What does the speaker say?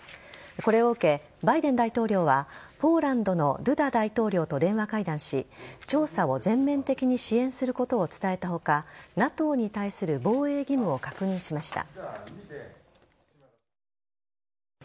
これを受け、バイデン大統領はポーランドのドゥダ大統領と電話会談し調査を全面的に支援することを伝えた他ＮＡＴＯに対する防衛義務を確認しました。